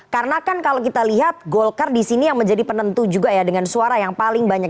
karena kan kalau kita lihat golkar di sini yang menjadi penentu juga ya dengan suara yang paling banyak